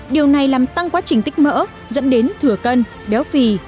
điều này làm tăng quá trình tích mỡ dẫn đến thừa cân béo phì